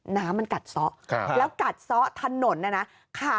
น้ำมันกัดซ้อค่ะแล้วกัดซ้อถนนน่ะน่ะค่ะ